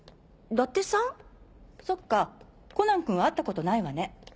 そっかコナン君会ったことないわね。